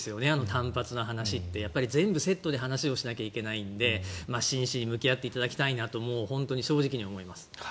単発の話って全部セットで話をしないといけないと思うので真摯に向き合っていただきたいなと正直に思います。